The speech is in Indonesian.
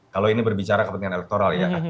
kalau ini berbicara kepentingan elektoral ya